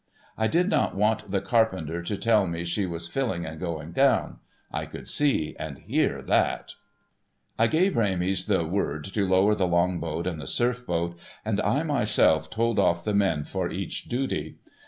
I did not want the carpenter to tell me she was filling and going down ; I could see and hear that, I gave Rames the word to lower the Long boat LAUNCHING THE BOATS 127 and the Surf boat, and I myself told off the men for each duty.